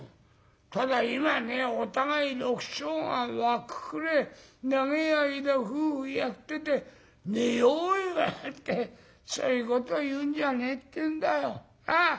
ただ今ねお互い緑青が湧くくれえ長え間夫婦やってて『寝ようよ』だなんてそういうこと言うんじゃねえってんだよ。なあ？